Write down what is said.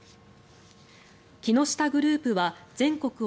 木下グループは全国